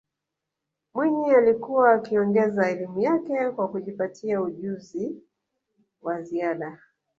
mwinyi alikuwa akiongeza elimu yake kwa kujipatia ujunzi wa ziada